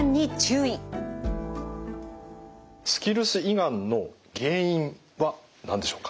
スキルス胃がんの原因は何でしょうか？